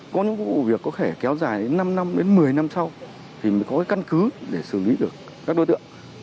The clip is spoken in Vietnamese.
có những vụ việc có thể kéo dài đến năm năm đến một mươi năm sau thì mới có cái căn cứ để xử lý được các đối tượng